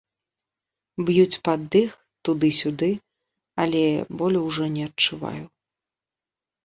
Б'юць пад дых, туды-сюды, але болю ўжо не адчуваю.